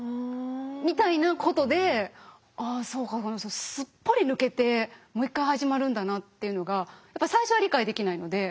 みたいなことであそうかすっぽり抜けてもう一回始まるんだなっていうのがやっぱ最初は理解できないので。